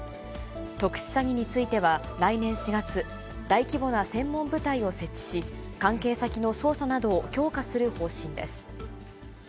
特殊詐欺については、来年４月、大規模な専門部隊を設置し、関係先の捜査などを強化する方針です。